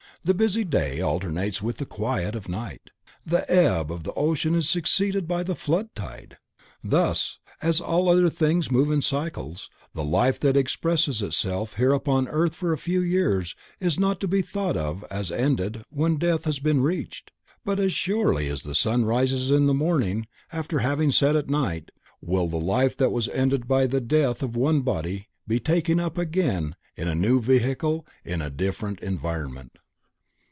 The busy day alternates with the quiet of night. The ebb of the ocean is succeeded by the flood tide. Thus, as all other things move in cycles, the life that expresses itself here upon earth for a few years is not to be thought of as ended when death has been reached, but as surely as the sun rises in the morning after having set at night, will the life that was ended by the death of one body be taken up again in a new vehicle and in a different environment.